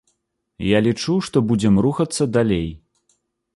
Я лічу, што будзем рухацца далей.